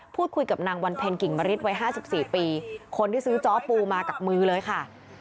พูดคุยกับนางวันเพ็ญกิ่งมริตวัย๕๔ปีคนที่ซื้อจ้อปูมากับมือเลยค่ะ